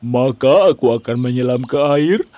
maka aku akan menyelam ke air